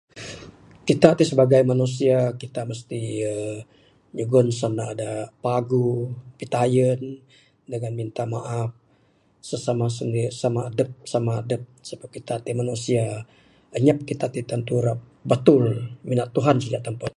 Kita ti sibagai manusia kita mesti uhh nyugon sanda da paguh, pitayen, dangan minta maaf sesama sendir...samah adep samah adep sabab kita ti manusia...anyap kita ti tantu ira batul mina Tuhan saja da.